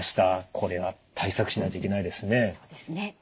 これは対策しないといけないですね。